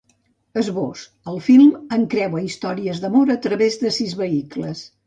Esbós: El film encreua històries d’amor a través de sis vehicles.